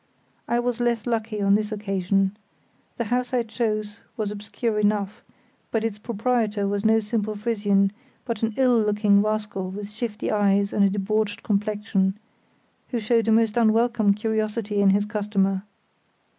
I was less lucky on this occasion. The house I chose was obscure enough, but its proprietor was no simple Frisian, but an ill looking rascal with shifty eyes and a debauched complexion, who showed a most unwelcome curiosity in his customer.